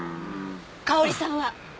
香織さんは？